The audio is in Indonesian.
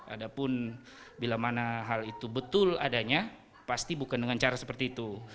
ada pun bila mana hal itu betul adanya pasti bukan dengan cara seperti itu